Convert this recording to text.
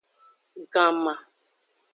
Ganma.